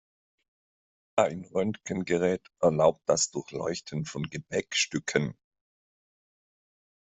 Ein Röntgengerät erlaubt das Durchleuchten von Gepäckstücken.